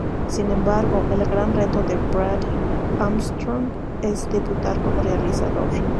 Sin embargo, el gran reto de Brad Armstrong es debutar como realizador.